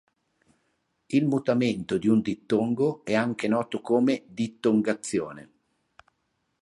Il mutamento in un dittongo è anche noto come dittongazione.